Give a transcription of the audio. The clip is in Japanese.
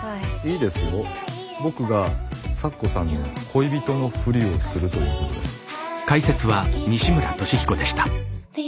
僕が咲子さんの恋人のふりをするということですね。